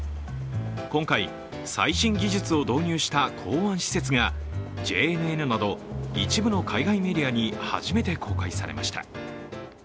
今回、最新技術を導入した港湾施設がＪＮＮなど一部の海外メディアに初めて公開されました。